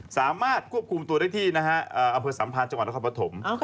สามารถควบคุมตัวได้ที่อำเภอสัมพันธ์จังหวัดนครปฐม